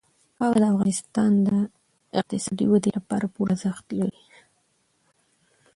خاوره د افغانستان د اقتصادي ودې لپاره پوره ارزښت لري.